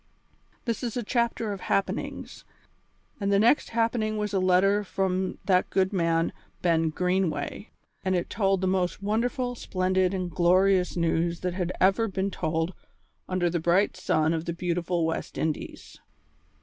This is a chapter of happenings, and the next happening was a letter from that good man, Ben Greenway, and it told the most wonderful, splendid, and glorious news that had ever been told under the bright sun of the beautiful West Indies.